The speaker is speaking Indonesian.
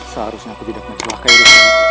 seharusnya aku tidak menggunakainya